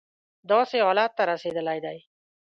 داسې حالت ته رسېدلی دی.